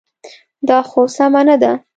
دا خو سمه نه ده.